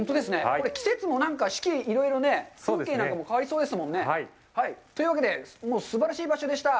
これ、季節も四季いろいろ、風景なんかも変わりそうですもんね。というわけで、もうすばらしい場所でした。